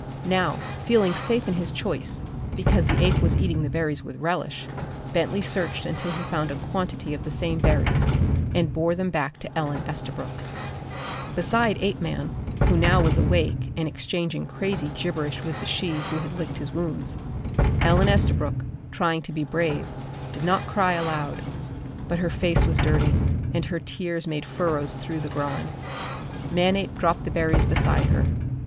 Now, feeling safe in his choice, because the ape was eating the berries with relish, Bentley searched until he found a quantity of the same berries, and bore them back to Ellen Estabrook. Beside Apeman, who now was awake and exchanging crazy gibberish with the she who had licked his wounds, Ellen Estabrook, trying to be brave, did not cry aloud. But her face was dirty, and her tears made furrows through the grime. Manape dropped the berries beside her.